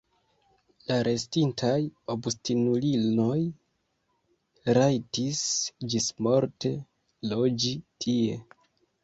La restintaj obstinulinoj rajtis ĝismorte loĝi tie.